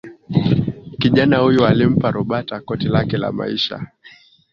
kijana huyo alimpa roberta koti lake la maisha